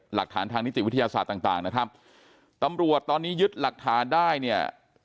หลักฐานทางนิติวิทยาศาสตร์ต่างต่างนะครับตำรวจตอนนี้ยึดหลักฐานได้เนี่ย